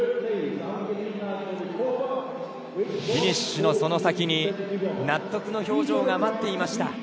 フィニッシュのその先に納得の表情が待っていました。